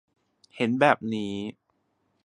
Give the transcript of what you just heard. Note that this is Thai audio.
เห็นแบบนี้